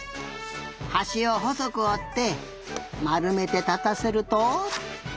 はしをほそくおってまるめてたたせると。